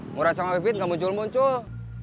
murad sama bebit gak muncul muncul